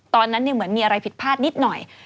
ตอนนั้นเหมือนมีอะไรผิดพลาดนิดหน่อย